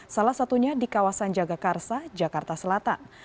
salah satunya di kawasan jagakarsa jakarta selatan